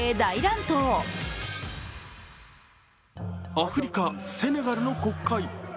アフリカ・セネガルの国会。